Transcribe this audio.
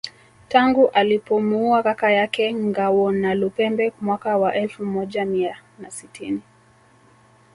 Tangu alipomuua kaka yake Ngawonalupembe mwaka wa elfu moja mia na sitini